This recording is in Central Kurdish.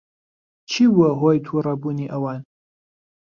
چی بووە ھۆی تووڕەبوونی ئەوان؟